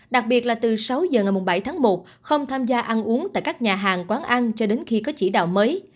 đặc biệt là từ sáu giờ ngày bảy tháng một không tham gia ăn uống tại các nhà hàng quán ăn cho đến khi có chỉ đạo mới